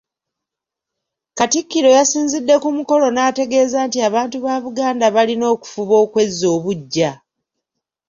Katikkiro yasinzidde ku mukolo n’ategeeza nti abantu ba Buganda balina okufuba okwezza obuggya.